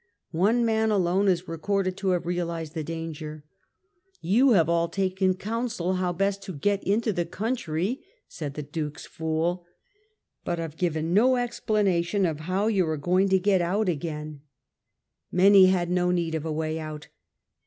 One man alone is recorded to have reahsed the danger. " You have all taken counsel how best to get into the country," said the Duke's fool, "but have given no explanation of how you are going to get EI8E OF THE SWISS REPUBLIC 103 out again." Many had no need of a way out.